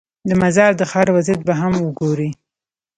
د مزار د ښار وضعیت به هم وګورې.